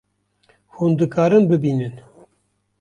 Hûn dikarin bibînin